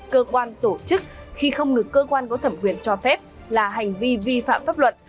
cơ quan tổ chức khi không được cơ quan có thẩm quyền cho phép là hành vi vi phạm pháp luật